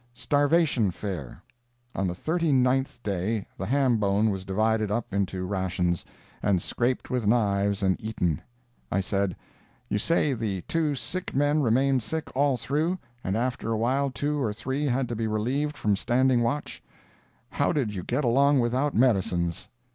STARVATION FARE On the thirty ninth day the ham bone was divided up into rations, and scraped with knives and eaten. I said: "You say the two sick men remained sick all through, and after awhile two or three had to be relieved from standing watch; how did you get along without medicines!"